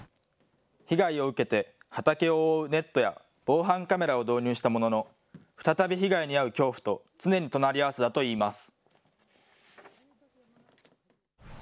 被害を受けて畑を覆うネットや、防犯カメラを導入したものの、再び被害に遭う恐怖と常に隣り合わせだといいます。